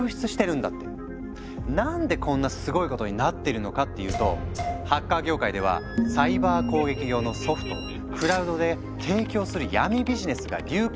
なんでこんなすごいことになってるのかっていうとハッカー業界ではサイバー攻撃用のソフトをクラウドで提供する闇ビジネスが流行してるからなんだとか。